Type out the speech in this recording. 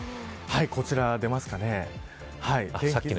こちら、出ますかね。